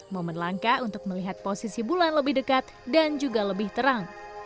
momen langka untuk melihat posisi bulan lebih dekat dan juga lebih terang